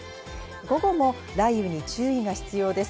午後も雷雨に注意が必要です。